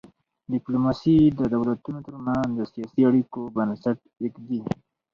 ډیپلوماسي د دولتونو ترمنځ د سیاسي اړیکو بنسټ ایږدي.